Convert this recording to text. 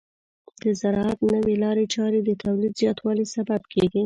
د زراعت نوې لارې چارې د تولید زیاتوالي سبب کیږي.